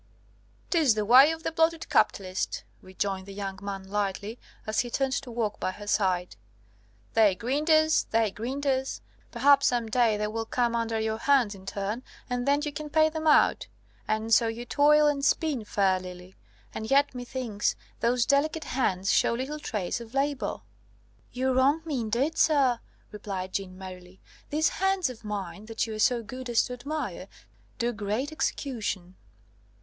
"'Tis the way of the bloated capitalist," rejoined the young man lightly, as he turned to walk by her side. "They grind us, they grind us; perhaps some day they will come under your hands in turn, and then you can pay them out. And so you toil and spin, fair lily! And yet, methinks, those delicate hands show little trace of labour?" "You wrong me, indeed, sir," replied Jeanne merrily. "These hands of mine, that you are so good as to admire, do great execution!"